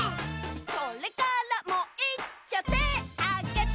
それからもいっちょてあげて！